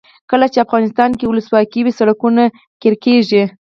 کله چې افغانستان کې ولسواکي وي سړکونه قیر کیږي.